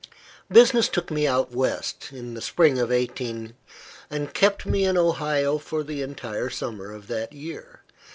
Business took me out West, in the spring of 18 , and kept me in Ohio for the entire summer of that year.